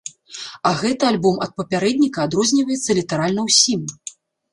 А гэты альбом ад папярэдніка адрозніваецца літаральна ўсім.